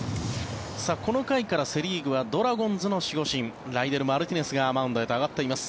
この回からセ・リーグはドラゴンズの守護神ライデル・マルティネスがマウンドへと上がっています。